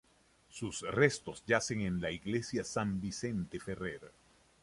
Sus restos yacen en la iglesia San Vicente Ferrer.